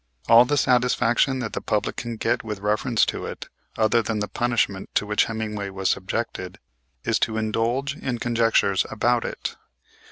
All the satisfaction that the public can get with reference to it, other than the punishment to which Hemmingway was subjected, is to indulge in conjectures about it.